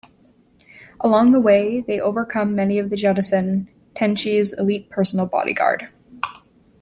Along the way they overcome many of the Juttensen, Tenshi's elite personal bodyguard.